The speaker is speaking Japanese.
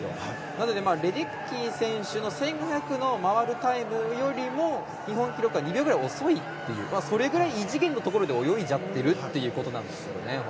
なので、レデッキー選手の１５００の回るタイムよりも日本記録が２秒くらい遅いという、それくらい異次元のところで泳いじゃってるということですよね。